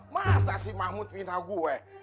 masa si mahmud pinta gua